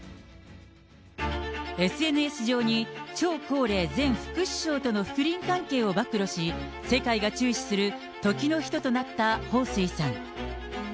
ＳＮＳ上に、張高麗前副首相との不倫関係を暴露し、世界が注視する時の人となった彭帥さん。